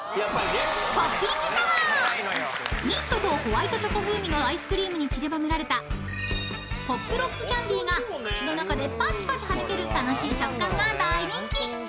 ［ミントとホワイトチョコ風味のアイスクリームにちりばめられたポップロックキャンディが口の中でパチパチはじける楽しい食感が大人気］